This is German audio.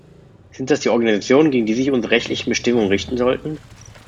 Sind das die Organisationen, gegen die sich unsere rechtlichen Bestimmungen richten sollten?